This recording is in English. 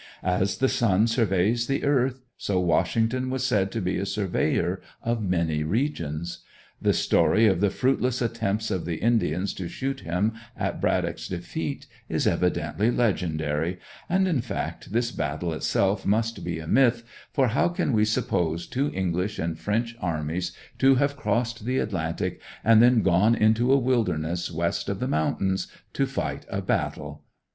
As the sun surveys the earth, so Washington was said to be a surveyor of many regions. The story of the fruitless attempts of the Indians to shoot him at Braddock's defeat is evidently legendary; and, in fact, this battle itself must be a myth, for how can we suppose two English and French armies to have crossed the Atlantic, and then gone into a wilderness west of the mountains, to fight a battle?